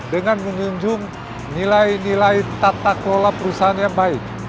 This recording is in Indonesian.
dengan menunjung nilai nilai tata kelola perusahaan yang baik